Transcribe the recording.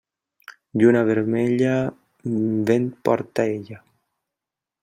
Lluna vermella, vent porta ella.